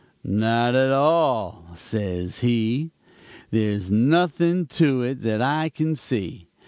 "'Not at all,' says he. 'There's nothing to it that I can see.